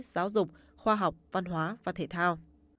giáo dục khoa học văn hóa và thể thao